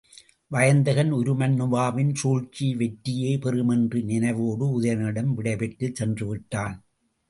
வயந்தகன், உருமண்ணுவாவின் சூழ்ச்சி வெற்றியே பெறும் என்ற நினைவோடு உதயணனிடம் விடைபெற்றுச் சென்றுவிட்டான்.